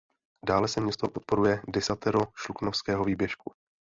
Dále se město podporuje Desatero Šluknovského výběžku.